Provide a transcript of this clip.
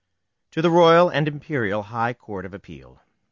TO THE ROYAL AND IMPERIAL HIGH COURT OF APPEAL.